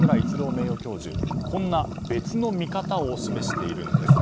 名誉教授別の見方を示しているんです。